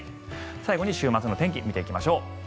最後に週末の天気を見ていきましょう。